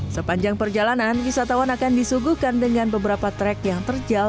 sepanjang perjalanan wisatawan akan disuguhkan dengan beberapa trek yang terjal